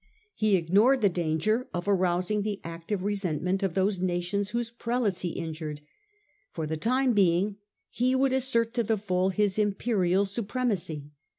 He ignored the danger of arousing the active resentment of those nations whose Prelates he injured. For the time being he would assert to the full his Imperial supremacy.